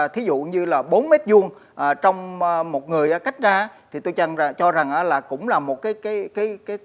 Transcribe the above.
thí dụ như là bốn m hai trong một người cách ra thì tôi cho rằng là cũng là một cái